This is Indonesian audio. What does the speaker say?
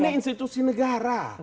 ini institusi negara